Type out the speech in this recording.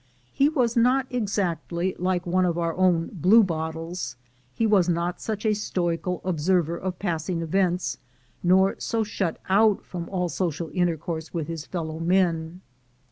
He was not exactly like one of our own blue bottles; he was not such a stoical observer of passing events, nor so shut out from all social intercourse with his fellow men.